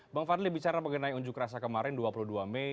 bang fadli bicara mengenai unjuk rasa kemarin dua puluh dua mei